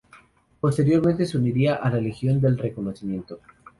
Posteriormente se uniría a la Legión de Reconocimiento.